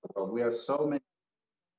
kita adalah begitu banyak